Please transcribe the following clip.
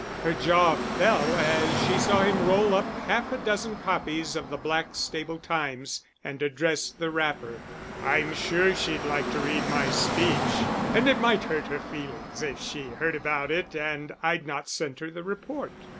Her jaw fell as she saw him roll up half a dozen copies of the Blackstable Times and address the wrapper. "I'm sure she'd like to read my speech. And it might hurt her feelings if she heard about it and I'd not sent her the report."